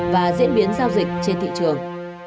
và diễn biến giao dịch trên thị trường